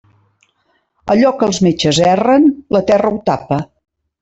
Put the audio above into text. Allò que els metges erren, la terra ho tapa.